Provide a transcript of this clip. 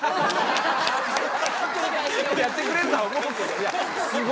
やってくれるとは思うけど。